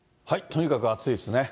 とにかく暑いですね。